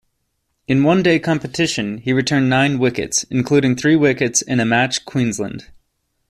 In one-day competition, he returned nine wickets, including three wickets in a match Queensland.